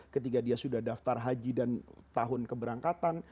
ketika dia sudah daftar haji dan tahun keberangkatan